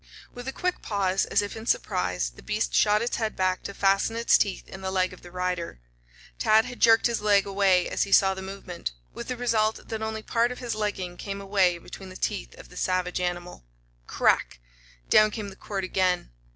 With a quick pause, as if in surprise, the beast shot its head back to fasten its teeth in the leg of the rider. Tad had jerked his leg away as he saw the movement, with the result that only part of his leggin came away between the teeth of the savage animal. Crack! Down came the quirt again.